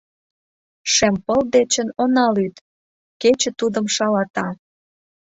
Шем пыл дечын она лӱд — Кече тудым шалата.